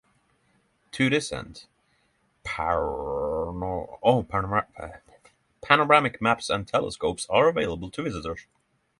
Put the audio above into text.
To this end, panoramic maps and telescopes are available to visitors.